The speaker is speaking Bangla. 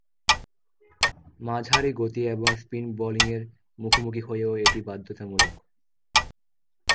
মাঝারি গতি এবং স্পিন বোলিংয়ের মুখোমুখি হয়েও এটি বাধ্যতামূলক।